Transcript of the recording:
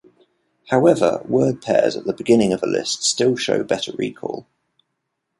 However, word pairs at the beginning of a list still show better recall.